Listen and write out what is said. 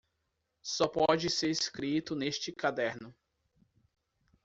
Só pode ser escrito neste caderno